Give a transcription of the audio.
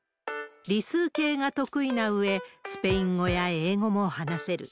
理数系が得意なうえ、スペイン語や英語も話せる。